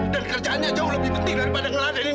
dan kerjaannya jauh lebih penting daripada ngeladenin